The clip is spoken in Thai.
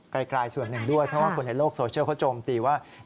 ไกลส่วนหนึ่งด้วยเพราะว่าคนในโลกโซเชียลเขาโจมตีว่า